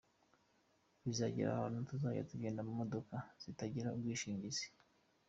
Bizagera ahantu tuzajya tugenda mu modoka zitagira ubwishingizi .